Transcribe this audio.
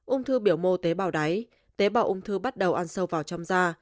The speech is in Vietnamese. ung thư biểu mô tế bào đáy tế bào ung thư bắt đầu ăn sâu vào trong da